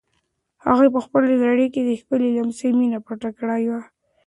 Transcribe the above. هغې په خپل زړه کې د خپل لمسي مینه پټه کړې وه.